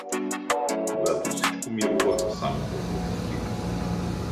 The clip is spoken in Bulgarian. — Когато всичко мирува, само той пакости.